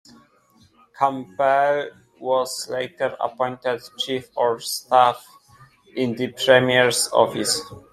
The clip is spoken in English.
Campbell was later appointed Chief of Staff in the Premier's Office.